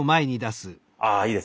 あいいです。